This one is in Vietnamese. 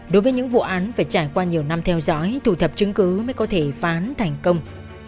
đối với những vụ án phải trải qua nhiều năm theo dõi thu thập chứng cứ mới có thể phán thành công